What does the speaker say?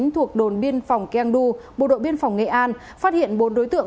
thuộc đồn biên phòng keng du bộ đội biên phòng nghệ an phát hiện bốn đối tượng